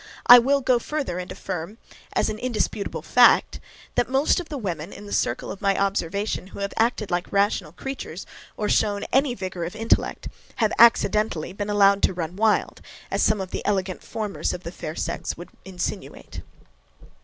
I will, go further, and affirm, as an indisputable fact, that most of the women, in the circle of my observation, who have acted like rational creatures, or shown any vigour of intellect, have accidentally been allowed to run wild, as some of the elegant formers of the fair sex would insinuate.